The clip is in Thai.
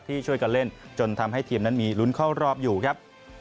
ที่ช่วยกันเล่นจนทำให้ทีมนั้นมีลุ้นเข้ารอบอยู่ครับ